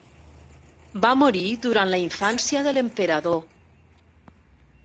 Va morir durant la infància de l'Emperador.